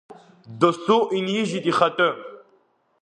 Досу инижьит ихатәы.